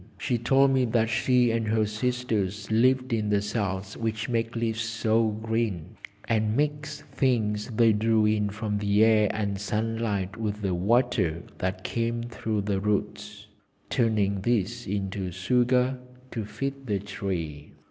She told me that she and her sisters lived in the cells which make leaves so green, and mixed things they drew in from the air and sunlight with the water that came through the roots, turning these into sugar to feed the tree.